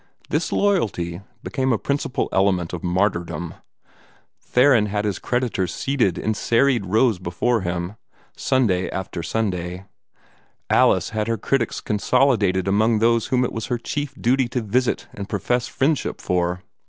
This loyalty became a principal element of martyrdom. Theron had his creditors seated in serried rows before him, Sunday after Sunday. Alice had her critics consolidated among those whom it was her chief duty to visit and profess friendship for.